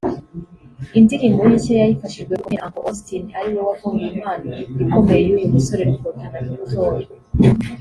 Indirimbo ye nshya yayifashijwemo bikomeye na Uncle Austin ariwe wavumbuye impano ikomeye y’uyu musore Rukotana Victor